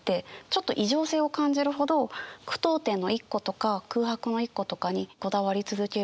ちょっと異常性を感じるほど句読点の一個とか空白の一個とかにこだわり続けるんですね。